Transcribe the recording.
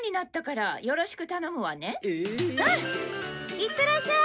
いってらっしゃい！